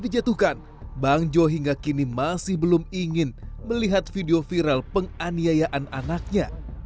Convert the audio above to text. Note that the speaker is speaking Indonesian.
dijatuhkan bang jo hingga kini masih belum ingin melihat video viral penganiayaan anaknya